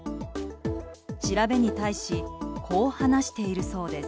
調べに対しこう話しているそうです。